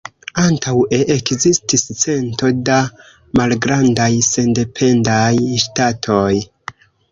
Antaŭe ekzistis cento da malgrandaj sendependaj ŝtatoj.